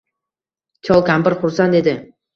Chol-kampir xursand edi